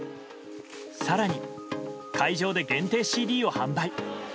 更に会場で限定ＣＤを販売。